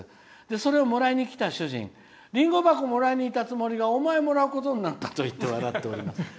それをもらいにきた主人リンゴ箱もらいにきたつもりがお前をもらうことになったと笑っています」。